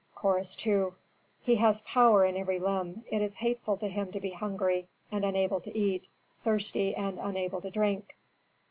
Chorus II. "He has power in every limb; it is hateful to him to be hungry and unable to eat, thirsty and unable to drink."